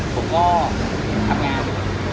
ผมก็ทำงาน